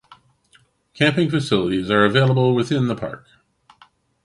Camping facilities are available within the Park.